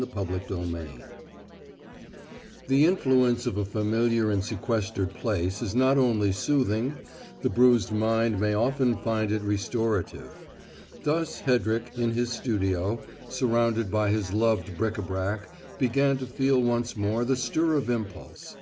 CHAPTER SEVENTEEN The influence of a familiar and sequestered place is not only soothing; the bruised mind may often find it restorative. Thus Hedrick, in his studio, surrounded by his own loved bric a brac, began to feel once more the stir of impulse.